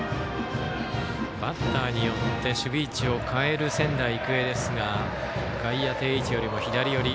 バッターによって守備位置を変える仙台育英ですが害や定位置よりも左寄り。